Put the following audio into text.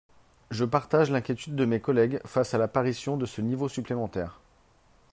Je partage l’inquiétude de mes collègues face à l’apparition de ce niveau supplémentaire.